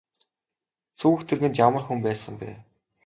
Сүйх тэргэнд ямар хүн байсан бэ?